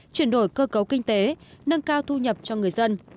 chuyển đổi cơ cấu kinh tế nâng cao thu nhập cho người dân